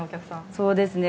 そうですね。